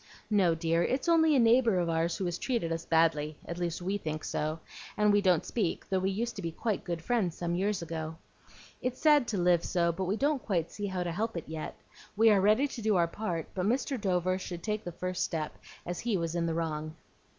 "No, dear; it's only a neighbor of ours who has treated us badly, at least we think so, and we don't speak, though we used to be good friends some years ago. It's sad to live so, but we don't quite see how to help it yet. We are ready to do our part; but Mr. Dover should take the first step, as he was in the wrong."